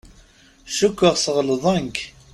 Cukkeɣ sɣelḍen-k.